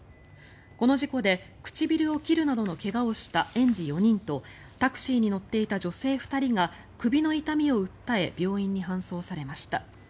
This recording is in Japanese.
この事故で唇を切るなどの怪我をした園児４人とタクシーに乗っていた女性２人が首の痛みを訴え病院に搬送されました。